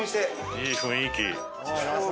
いい雰囲気。